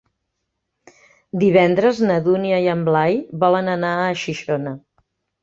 Divendres na Dúnia i en Blai volen anar a Xixona.